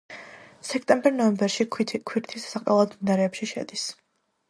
სექტემბერ-ნოემბერში ქვირითის დასაყრელად მდინარეებში შედის.